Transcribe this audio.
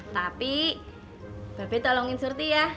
tapi bebek tolongin surti ya